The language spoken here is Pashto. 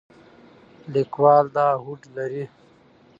لیکوال دا هوډ لري.